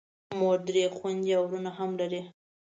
مور، درې خویندې او ورور هم لرم.